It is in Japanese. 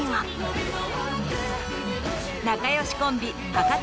仲良しコンビ博多